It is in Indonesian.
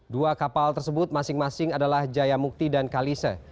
dua kapal tersebut masing masing adalah jaya mukti dan kalise